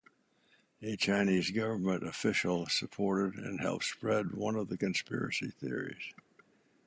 A Chinese government official supported and help spread one of the conspiracy theories.